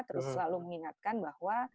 terus selalu mengingatkan bahwa